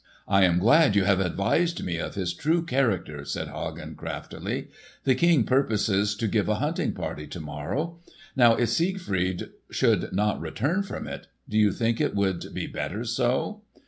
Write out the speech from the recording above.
"I am glad you have advised me of his true character," said Hagen craftily. "The King purposes to give a hunting party to morrow. Now if Siegfried should not return from it, do you think it would be better so?"